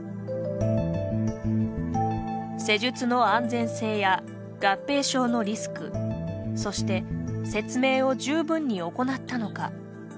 施術の安全性や合併症のリスクそして、説明を十分に行ったのか。